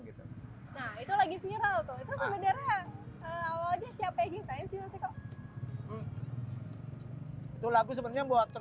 nah itu lagi viral tuh itu sebenarnya awalnya siapa yang gintain sih mas eko